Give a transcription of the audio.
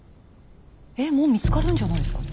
えっもう見つかるんじゃないですか？